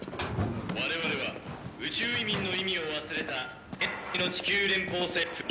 我々は宇宙移民の意味を忘れた現在の地球連邦政府に。